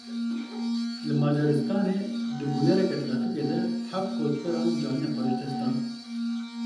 Li Macaristanê di bûyereke trafîkê de heft koçberan canê xwe ji dest dan.